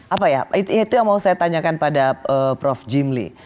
apa ya itu yang mau saya tanyakan pada prof jimli